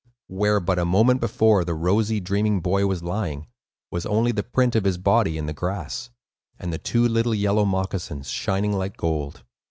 Where, but a moment before, the rosy, dreaming boy was lying, was only the print of his body in the grass, and the two little yellow moccasins, shining like gold.